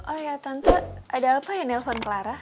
oh ya tante ada apa ya nelfon clara